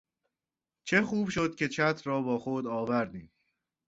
چه خوب شد که چتر را با خود آوردیم.